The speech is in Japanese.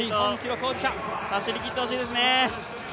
走りきってほしいですね。